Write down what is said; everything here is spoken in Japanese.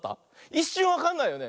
いっしゅんわかんないよね。